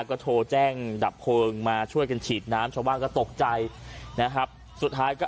ก็โทรแจ้งดับเพลิงมาช่วยกันฉีดน้ำชาวบ้านก็ตกใจนะครับสุดท้ายก็